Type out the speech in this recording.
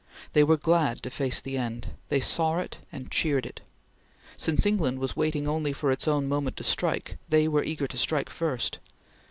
They were glad to face the end. They saw it and cheered it! Since England was waiting only for its own moment to strike, they were eager to strike first.